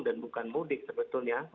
dan bukan mudik sebetulnya